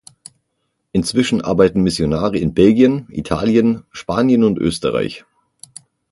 Inzwischen arbeiten Missionare in Belgien, Italien, Spanien und Österreich.